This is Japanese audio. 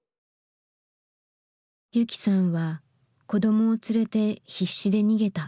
雪さんは子どもを連れて必死で逃げた。